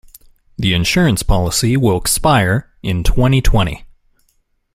The insurance policy will expire in twenty-twenty.